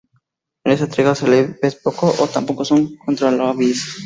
En esta entrega se les ve poco, y tampoco son controlables.